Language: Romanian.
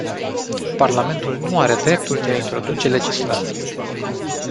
Parlamentul nu are dreptul de a introduce legislație.